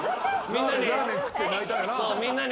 みんなに。